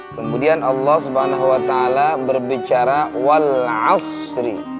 kemudian allah swt berbicara wal asri